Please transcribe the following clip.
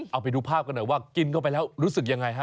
เอาไปดูภาพกันหน่อยว่ากินเข้าไปแล้วรู้สึกยังไงฮะ